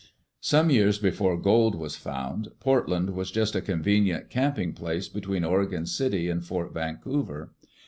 Some years before gold was found, Portland was just a convenient camping place between Oregon City and Fort Vancouver.